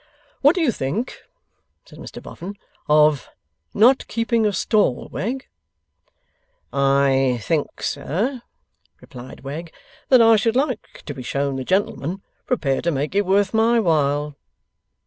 'What do you think,' said Mr Boffin, 'of not keeping a stall, Wegg?' 'I think, sir,' replied Wegg, 'that I should like to be shown the gentleman prepared to make it worth my while!